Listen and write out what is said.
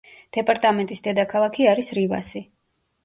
დეპარტამენტის დედაქალაქი არის რივასი.